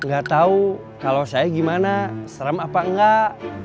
gak tau kalau saya gimana serem apa enggak